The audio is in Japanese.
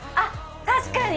確かに！